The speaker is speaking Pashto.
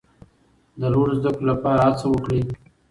د لوړو زده کړو لپاره هڅه وکړئ.